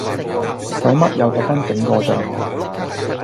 使乜又特登整個帳號